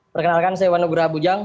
perkenalkan saya wanugura abujang